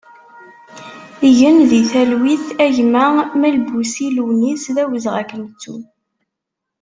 Gen di talwit a gma Melbusi Lewnis, d awezɣi ad k-nettu!